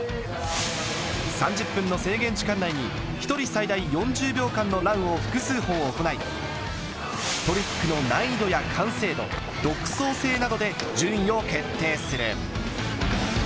３０分の制限時間内に１人最大４０秒間のランを複数本行い、トリックの難易度や完成度、独創性などで順位を決定する。